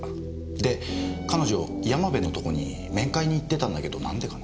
で彼女山部のとこに面会に行ってたんだけどなんでかな？